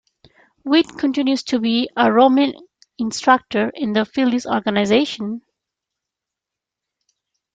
Whitt continues to be a roaming instructor in the Phillies' organization.